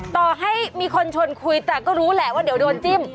ต่อให้มีคนชวนคุยแต่ก็รู้แหละว่าเดี๋ยวโดนจิ้ม